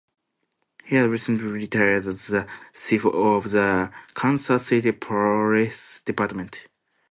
He had recently retired as the chief of the Kansas City Police Department.